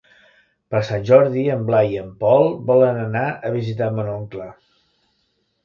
Per Sant Jordi en Blai i en Pol volen anar a visitar mon oncle.